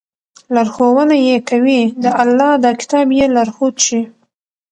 لارښوونه ئې كوي، د الله دا كتاب ئې لارښود شي